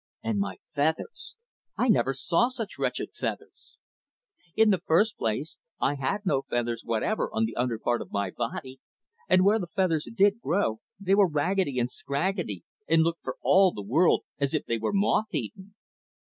And my feathers! I never saw such wretched feathers. In the first place I had no feathers whatever on the under part of my body, and where the feathers did grow they were raggedy and scraggedy and looked for all the world as if they were moth eaten.